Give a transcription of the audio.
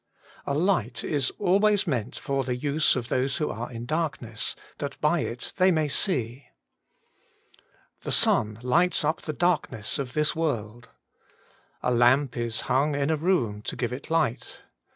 ALIGHT is always meant for the use of those who are in darkness, that by it they may see. The sun lights up the dark ness of this world. A lamp is hung in a room to give it light.